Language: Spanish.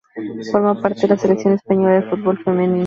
Forma parte de la selección española de fútbol femenino.